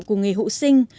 của nghề hộ sinh